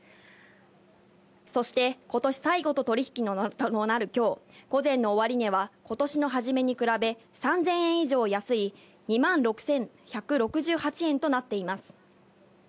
そして今年最後の取引となる今日、午前の終値は今年の初めに比べ、３０００円以上安い、２万６１６８円となっています。